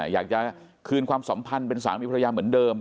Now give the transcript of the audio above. อยากจะคืนความสัมพันธ์เป็นสามีภรรยาเหมือนเดิม